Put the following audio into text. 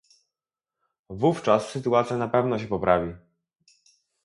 Wówczas sytuacja na pewno się poprawi